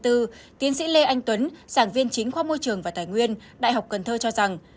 tiến sĩ lê anh tuấn sản viên chính khoa môi trường và tài nguyên đại học cần thơ cho rằng